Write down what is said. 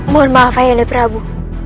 mohon maaf ayoleh prabu